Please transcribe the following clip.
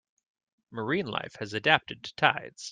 Marine life has adapted to tides.